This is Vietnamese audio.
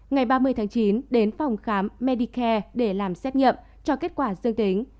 ngày ba mươi tháng chín đến phòng khám medicare để làm xét nghiệm cho kết quả dương tính